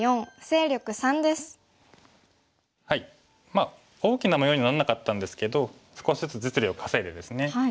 まあ大きな模様にはならなかったんですけど少しずつ実利を稼いでですね。